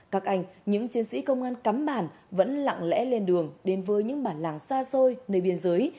các anh những chiến sĩ công an cắm bản vẫn lặng lẽ lên đường đến với những bản làng xa xôi nơi biên giới